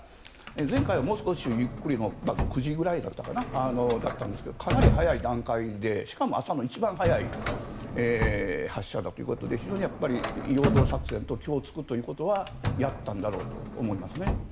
前回はもう少しゆっくりの９時ぐらいだったんですがかなり早い段階で、しかも朝の一番早い発射だったということで非常に、陽動作戦と虚を突くということはやったんだろうと思います。